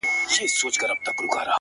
سیاه پوسي ده. خاوري مي ژوند سه.